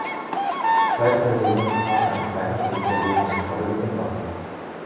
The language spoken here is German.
Zwei Personen fahren ein kleines Motorboot in kabbeligem Wasser.